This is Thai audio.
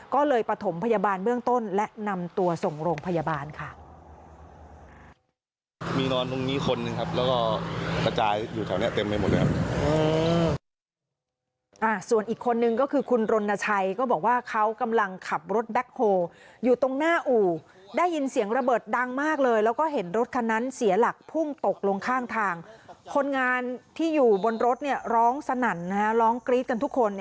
ก็เลยประถมพยาบาลเบื้องต้นและนำตัวส่งโรงพยาบาลค่ะ